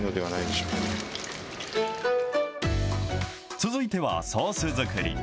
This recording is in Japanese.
続いてはソース作り。